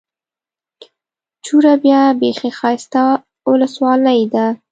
چوره بيا بېخي ښايسته اولسوالي ده.